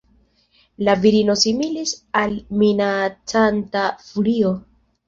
La virino similis al minacanta furio.